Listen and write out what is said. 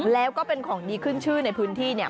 แล้วก็เป็นของดีขึ้นชื่อในพื้นที่เนี่ย